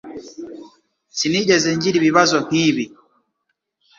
Sinigeze ngira ibibazo nkibi